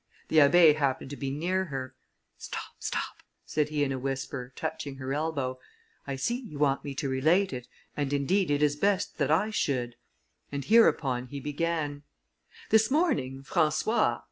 The Abbé happened to be near her: "Stop, stop," said he in a whisper, touching her elbow, "I see you want me to relate it, and, indeed, it is best that I should," and hereupon he began: "This morning, François